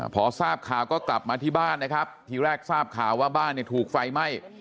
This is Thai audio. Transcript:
พอทราบข่าวก็กลับมาที่บ้านนะครับทีแรกทราบข่าวว่าบ้านเนี่ยถูกไฟไหม้